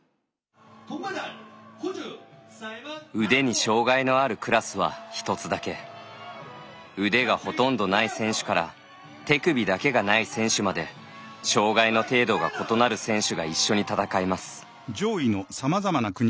腕に障がいのあるクラスは１つだけ腕がほとんどない選手から手首だけがない選手まで障がいの程度が異なる選手が一緒に戦います。